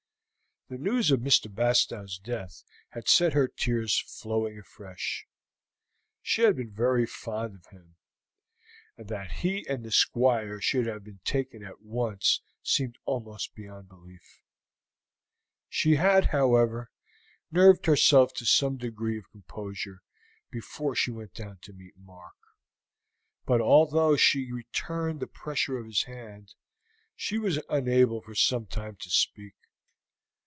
The news of Mr. Bastow's death had set her tears flowing afresh; she had been very fond of him, and that he and the Squire should have been taken at once seemed almost beyond belief. She had, however, nerved herself to some degree of composure before she went down to meet Mark; but although she returned the pressure of his hand, she was unable for some time to speak.